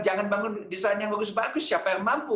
jangan bangun desain yang bagus bagus siapa yang mampu